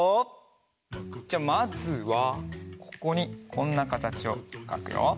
じゃあまずはここにこんなかたちをかくよ。